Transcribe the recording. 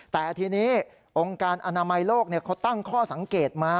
แต่ทีนี้องค์การอนามัยโลกเขาตั้งข้อสังเกตมา